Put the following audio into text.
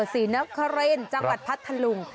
ศรีนครินจังหวัดพัทธลุง